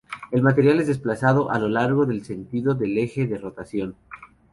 El material es desplazado a lo largo del sentido del eje de rotación.